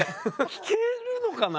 聞けるのかな？